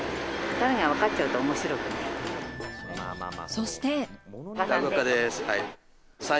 そして。